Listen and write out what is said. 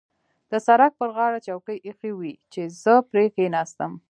د سړک پر غاړه چوکۍ اېښې وې چې زه پرې کېناستم.